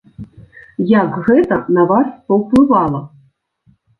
Як гэта на вас паўплывала?